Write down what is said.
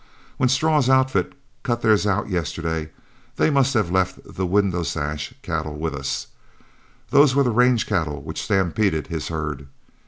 When Straw's outfit cut theirs out yesterday, they must have left the 'Window Sash' cattle with us; those were the range cattle which stampeded his herd.